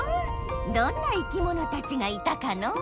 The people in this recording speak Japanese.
どんないきものたちがいたかのう？